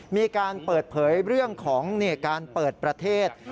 มีการเปิดเผยเรื่องของการเปิดประเทศ